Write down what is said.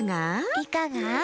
いかが？